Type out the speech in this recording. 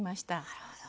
なるほど。